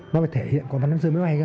nó phải thể hiện con văn văn sơn mới bay cơ